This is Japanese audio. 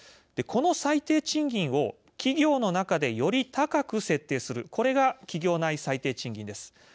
この最低賃金を企業の中で、より高く設定するこれが企業内最低賃金です。